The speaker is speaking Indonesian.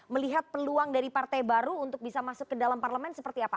melihat peluang dari partai baru untuk bisa masuk ke dalam parlemen seperti apa